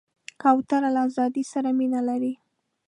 کوتره له آزادۍ سره مینه لري.